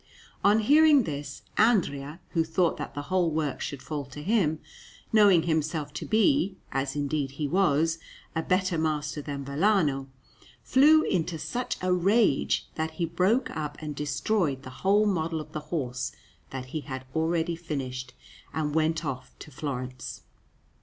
On hearing this, Andrea, who thought that the whole work should fall to him, knowing himself to be, as indeed he was, a better master than Vellano, flew into such a rage that he broke up and destroyed the whole model of the horse that he had already finished, and went off to Florence.